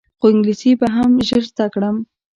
خو انګلیسي به هم ژر زده کړم.